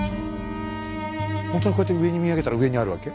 ほんとにこうやって上に見上げたら上にあるわけ？